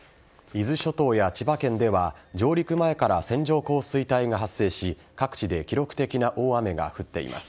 伊豆諸島や千葉県では上陸前から線状降水帯が発生し各地で記録的な大雨が降っています。